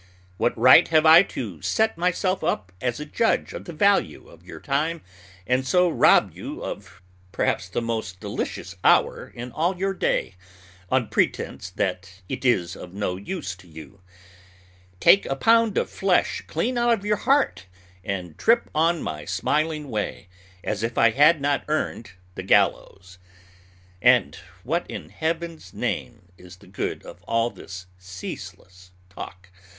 What right have I to set myself up as a judge of the value of your time, and so rob you of perhaps the most delicious hour in all your day, on pretense that it is of no use to you? take a pound of flesh clean out of your heart, and trip on my smiling way as if I had not earned the gallows? And what in Heaven's name is the good of all this ceaseless talk?